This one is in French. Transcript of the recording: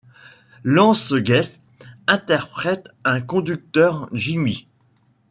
Lance Guest interprète un conducteur, Jimmy.